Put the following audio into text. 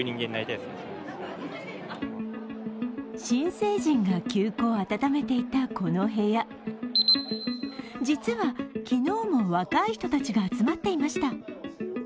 新成人が旧交を温めていたこの部屋、実は昨日も若い人たちが集まっていました。